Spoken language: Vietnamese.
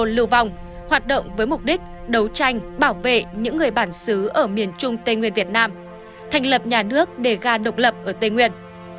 lưu vong hoạt động với mục đích đấu tranh bảo vệ những người bản xứ ở miền trung tây nguyên việt nam thành lập nhà nước để ga độc lập ở tây nguyên